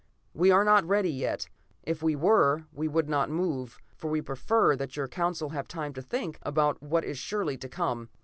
"'We are not yet ready. If we were, we would not move, for we prefer that your Council have time to think about what is surely to come.